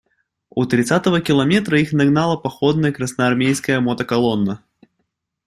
У тридцатого километра их нагнала походная красноармейская мотоколонна.